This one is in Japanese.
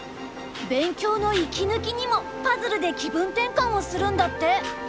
勉強の息抜きにもパズルで気分転換をするんだって。